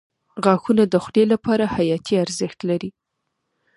• غاښونه د خولې لپاره حیاتي ارزښت لري.